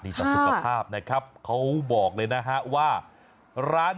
ไปลองฟังเสียงของเจ้าของร้านกันหน่อยครับ